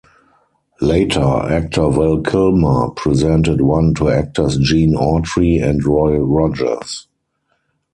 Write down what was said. Later, actor Val Kilmer presented one to actors Gene Autry and Roy Rogers.